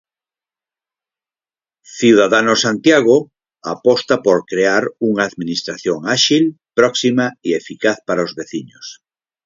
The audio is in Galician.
Ciudadanos Santiago aposta por crear unha administración áxil, próxima e eficaz para os veciños.